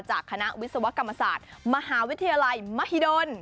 จากคณะวิศวกรรมศาสตร์มหาวิทยาลัยมหิดล